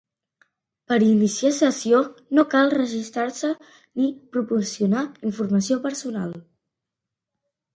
Per iniciar sessió no cal registrar-se ni proporcionar informació personal.